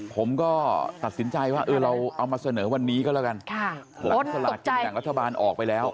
ผมก็ตัดสินใจว่าเราเอามาเสนอวันนี้ก็แล้วกันหลังสลากกินแบ่งรัฐบาลออกไปแล้ว